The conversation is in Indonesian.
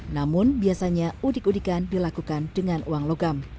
namun biasanya udik udikan dilakukan dengan ulang